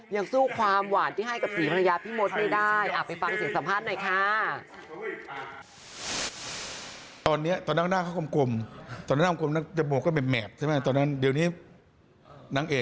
ยังสู้ความหวานที่ให้กับศรีภรรยาพี่โมทไม่ได้